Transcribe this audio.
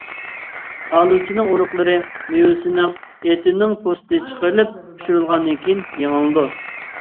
ئالۇچىنىڭ ئۇرۇقلىرى مېۋىسىنىڭ ئېتىنىڭ پوستى چىقىرىلىپ، پىشۇرۇلغاندىن كېيىن يېڭىلىنىدۇ.